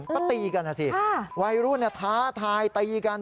ก็ตีกันนะสิวัยรุ่นท้าทายตีกัน